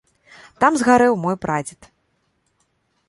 Там згарэў мой прадзед.